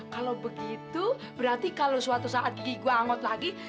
kalo begitu berarti kalo suatu saat gigi gua anggot lagi